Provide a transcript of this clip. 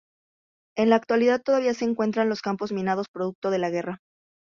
En la actualidad todavía se encuentran los campos minados producto de la guerra.